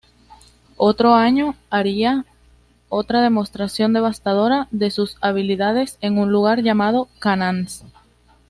Otro año haría otra demostración devastadora de sus habilidades en un lugar llamado Cannas.